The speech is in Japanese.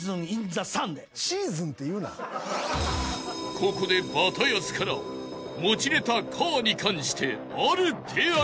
［ここでバタヤスから持ちネタ「カーッ」に関してある提案が］